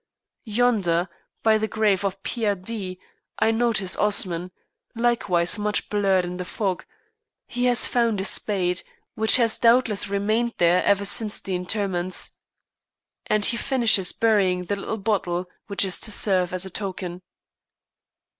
Yonder, by the grave of Pierre D , I notice Osman, likewise much blurred in the fog. He has found a spade, which has doubtless remained there ever since the interments, and he finishes burying the little bottle which is to serve as a token.